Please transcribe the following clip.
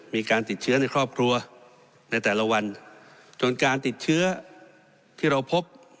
มีการติดเชื้อในครอบครัวในแต่ละวันจนการติดเชื้อที่เราพบ